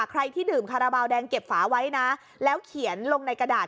ใครที่ดื่มคาราบาลแดงเก็บฝาไว้นะแล้วเขียนลงในกระดาษ